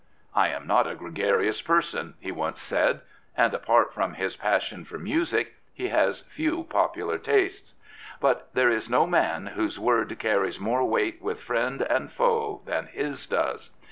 I am not a gregarious person," he once said, and apart from his passion for music he has few popular tastes. But there is no man whose word carries more weight with friend and foe than his does.